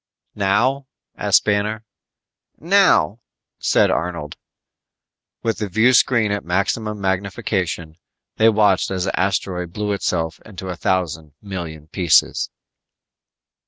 "Now?" asked Banner. "Now," said Arnold. With the viewscreen at maximum magnification, they watched as the asteroid blew itself into a thousand million pieces.